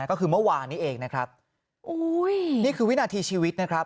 ก็คือเมื่อวานนี้เองนะครับอุ้ยนี่คือวินาทีชีวิตนะครับ